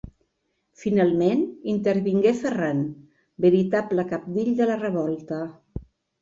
Finalment, intervingué Ferran, veritable cabdill de la revolta.